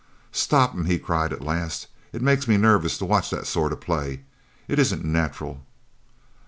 "Stop 'em!" he cried at last. "It makes me nervous to watch that sort of play. It isn't natural!"